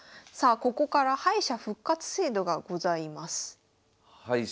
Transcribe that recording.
ここから敗者復活制度がございます。